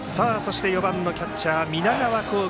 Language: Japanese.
そして４番のキャッチャー、南川幸輝。